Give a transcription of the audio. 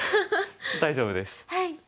大丈夫です。